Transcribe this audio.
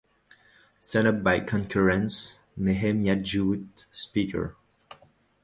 Sent up by concurrence Nehemiah Jewett, Speaker.